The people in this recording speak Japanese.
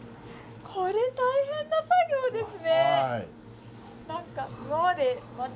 これ大変な作業ですね。